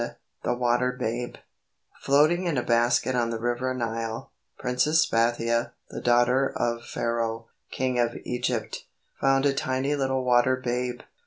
] The Water Babe Floating in a basket on the River Nile, Princess Bathia, the daughter of Pharaoh, King of Egypt, found a tiny little water babe.